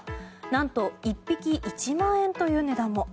何と１匹１万円という値段も。